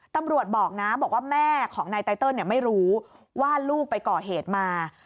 ตำรวจบอกนะบอกว่าแม่ของนายไตเติลไม่รู้ว่าลูกไปก่อเหตุมา